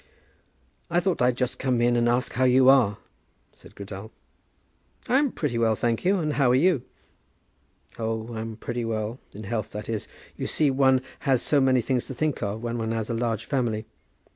"I thought I'd just come in and ask you how you are," said Cradell. "I'm pretty well, thank you; and how are you?" "Oh, I'm pretty well, in health, that is. You see one has so many things to think of when one has a large family.